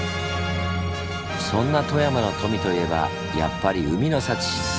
そんな富山の富といえばやっぱり海の幸！